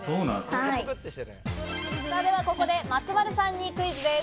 ではここで松丸さんにクイズです。